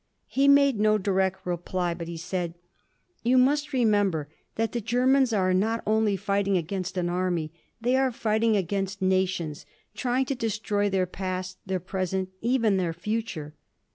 He made no direct reply, but he said: "You must remember that the Germans are not only fighting against an army, they are fighting against nations; trying to destroy their past, their present, even their future."